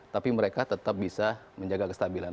tapi mereka tetap bisa menjaga kestabilan